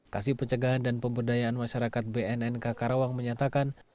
kasih pencegahan dan pemberdayaan masyarakat bnnk karawang menyatakan